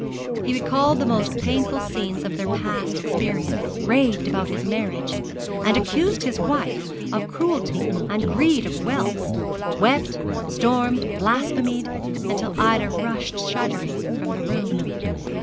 He recalled the most painful scenes of their past experience, raved about his marriage, and accused his wife of cruelty and greed of wealth, wept, stormed, blasphemed, until Ida rushed shuddering from the room.